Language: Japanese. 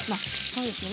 そうですね。